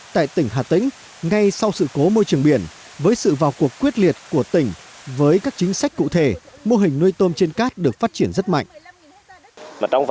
tại tỉnh hà tĩnh ngay sau sự cố môi trường biển với sự vào cuộc quyết liệt của tỉnh với các chính sách cụ thể mô hình nuôi tôm trên cát được phát triển rất mạnh